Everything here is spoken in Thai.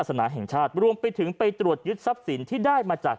สนาแห่งชาติรวมไปถึงไปตรวจยึดทรัพย์สินที่ได้มาจาก